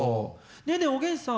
ねえねえおげんさん